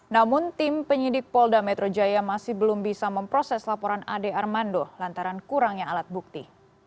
namun tim penyidik polda metro jaya masih belum bisa memproses laporan ade armando lantaran kurangnya alat bukti